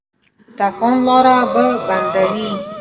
د افغان لاره به بندوي.